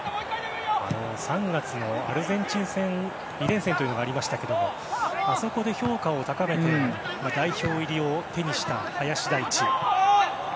３月のアルゼンチン戦２連戦というのがありましたがあそこで評価を高めて代表入りを手にした林大地。